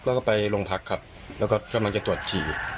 แล้วก็ไปโรงพักครับแล้วก็กำลังจะตรวจฉี่